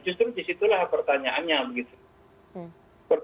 justru disitulah pertanyaannya begitu